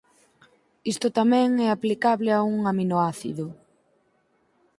Isto tamén é aplicable a un aminoácido.